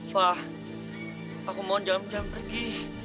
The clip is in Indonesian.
fah aku mohon jangan jangan pergi